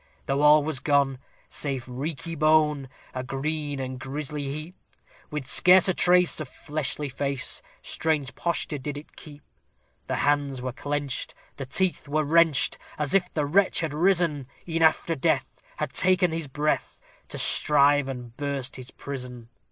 Though all was gone, save reeky bone, a green and grisly heap, With scarce a trace of fleshly face, strange posture did it keep. The hands were clenched, the teeth were wrenched, as if the wretch had risen, E'en after death had ta'en his breath, to strive and burst his prison.